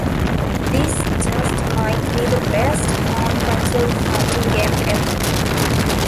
This just might be the best home console fighting game ever.